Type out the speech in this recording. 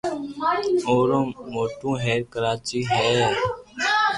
اورو موٽو ھير ڪراچي ھي